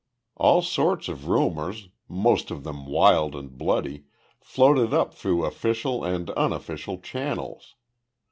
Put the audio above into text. All sorts of rumors, most of them wild and bloody, floated up through official and unofficial channels.